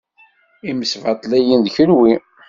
Imesbaṭliyen d kenwi.